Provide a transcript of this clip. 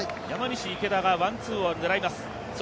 山西、池田がワンツーを狙います。